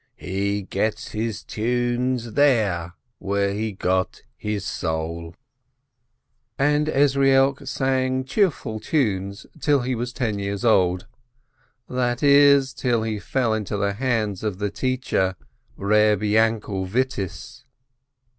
He gets his tunes there where he got his soul." And Ezrielk sang cheerful tunes till he was ten years old, that is, till he fell into the hands of the teacher Reb Yainkel Vittiss.